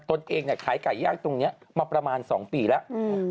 ตนเองขายไก่ย่างตรงนี้มาประมาณ๒ปีแล้ว